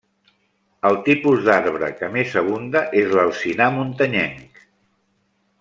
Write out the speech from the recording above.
El tipus d'arbre que més abunda és l'alzinar muntanyenc.